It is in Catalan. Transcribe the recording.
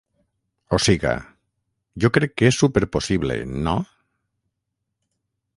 O siga, jo crec que és súper possible, no?